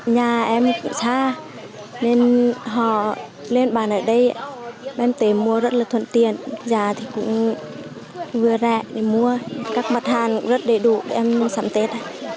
nhà em cũng xa nên họ lên bàn ở đây em tế mua rất là thuận tiện giá thì cũng vừa rẻ để mua các mặt hàng cũng rất đầy đủ em mua sắm tết